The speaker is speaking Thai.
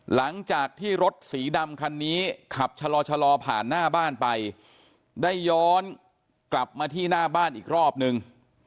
หลังจากที่รถสีดำคันนี้ขับชะลอชะลอผ่านหน้าบ้านไปได้ย้อนกลับมาที่หน้าบ้านอีกรอบนึง